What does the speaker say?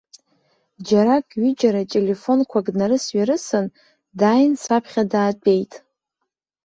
Џьарак, ҩыџьара телефонқәак днарыс-ҩарысын, дааин саԥхьа даатәеит.